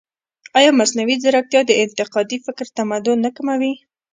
ایا مصنوعي ځیرکتیا د انتقادي فکر تمرین نه کموي؟